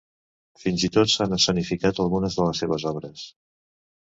Fins i tot s'han escenificat algunes de les seves obres.